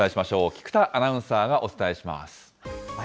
菊田アナウンサーがお伝えします。